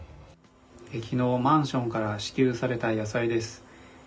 昨日マンションから支給された野菜です。